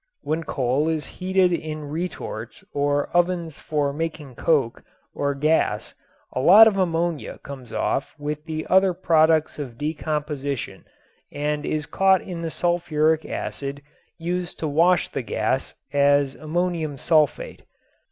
When coal is heated in retorts or ovens for making coke or gas a lot of ammonia comes off with the other products of decomposition and is caught in the sulfuric acid used to wash the gas as ammonium sulfate.